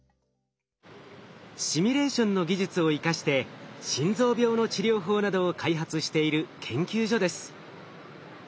シミュレーションの技術を生かして心臓病の治療法などを開発している研究所です。